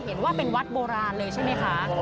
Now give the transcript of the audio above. เห็นว่าเป็นวัดโบราณเลยใช่ไหมคะ